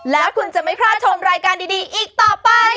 แล้วคุณจะไม่พลาดชมรายการดีอีกต่อไป